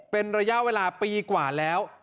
เป็นระยะเวลาปีกว่าแล้ว